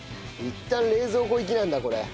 いったん冷蔵庫行きなんだこれ。